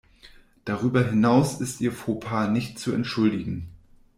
Darüber hinaus ist ihr Fauxpas nicht zu entschuldigen.